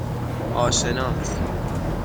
آشناس